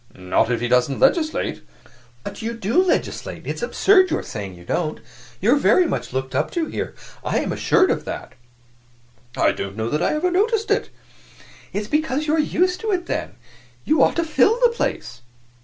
"Not if he doesn't legislate." "But you do legislate; it's absurd your saying you don't. You are very much looked up to here I am assured of that." "I don't know that I ever noticed it." "It is because you are used to it, then. You ought to fill the place."